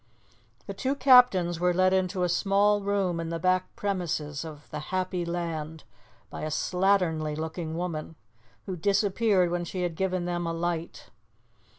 The two captains were let into a small room in the back premises of 'The Happy Land' by a slatternly looking woman, who disappeared when she had given them a light.